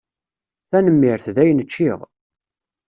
Tanemmirt, dayen ččiɣ.